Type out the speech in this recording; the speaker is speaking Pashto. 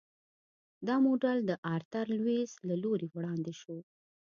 دا موډل د آرتر لویس له لوري وړاندې شو.